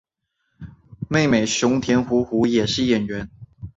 妹妹熊田胡胡也是演员。